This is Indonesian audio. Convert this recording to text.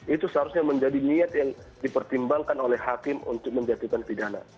itu seharusnya menjadi niat yang dipertimbangkan oleh hakim untuk menjatuhkan pidana